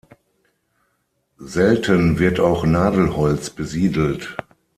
Selten wird auch Nadelholz besiedelt.